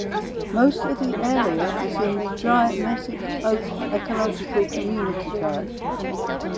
Most of the area is in the Dry Mesic Oak ecological community type.